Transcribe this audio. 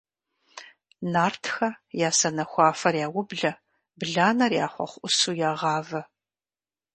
Нартхэ я сэнэхуафэр яублэ, бланэр я хъуэхъу Ӏусу ягъавэ.